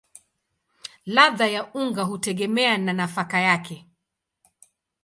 Ladha ya unga hutegemea na nafaka yake.